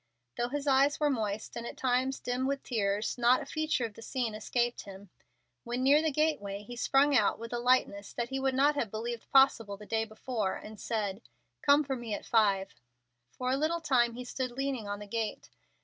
Though his eyes were moist, and at times dim with tears, not a feature in the scene escaped him. When near the gateway he sprung out with a lightness that he would not have believed possible the day before, and said, "Come for me at five." For a little time he stood leaning on the gate.